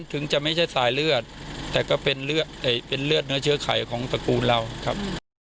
ถึงจะไม่ใช่สายเลือดแต่ก็เป็นเลือดเนื้อเชื้อไขของตระกูลเราครับ